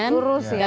tidak turus ya